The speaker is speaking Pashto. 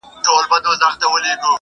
په ځنگله کي چي دي هره ورځ غړومبی سي؛